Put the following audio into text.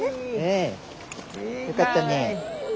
よかったね。